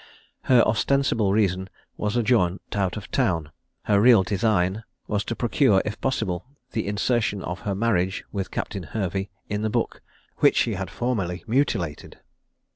Her ostensible reason was a jaunt out of town; her real design was to procure, if possible, the insertion of her marriage with Captain Hervey in the book which she had formerly mutilated.